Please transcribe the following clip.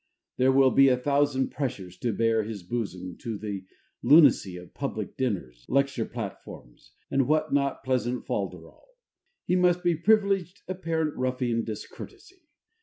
There will be a thousand pressures to bare his bosom to the lunacy of public dinners, lecture platforms, and what not pleasant folderol. He must be privileged apparent ruffian discourtesy.